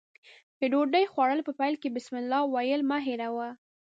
د ډوډۍ خوړلو په پیل کې بسمالله ويل مه هېروه.